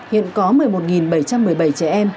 hiện có một mươi một bảy trăm một mươi bảy trẻ em